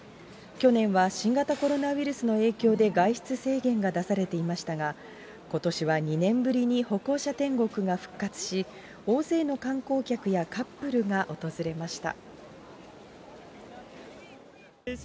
去年は新型コロナウイルスの影響で外出制限が出されていましたが、ことしは２年ぶりに歩行者天国が復活し、大勢の観光客やカップルが訪れました。